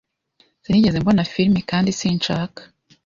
Sinigeze mbona filime, kandi sinshaka.